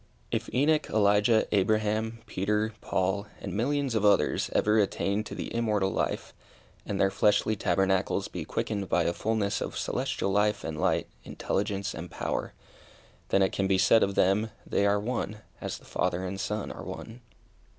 If Enoch, Elijah, Abraham, Peter, Paul, and millions of others ever attain to the immortal life, and their fleshly tabernacles be quickened by a fulness of celestial life and light, intelligence and power, then it can be said of them, they are one, as the Father and Son are one.